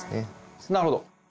なるほど。